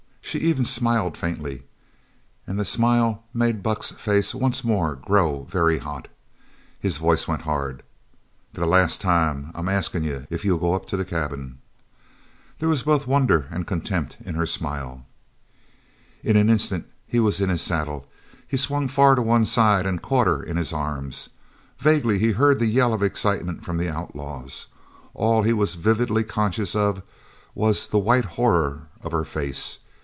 She even smiled faintly, and the smile made Buck's face once more grow very hot. His voice went hard. "For the last time, I'm askin' if you'll go up to the cabin." There was both wonder and contempt in her smile. In an instant he was in his saddle. He swung far to one side and caught her in his arms. Vaguely he heard the yell of excitement from the outlaws. All he was vividly conscious of was the white horror of her face.